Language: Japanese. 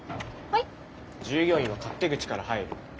従業員は勝手口から入る。